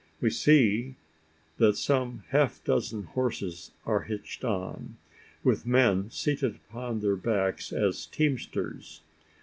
We see that some half dozen horses are hitched on, with men seated upon their backs as teamsters!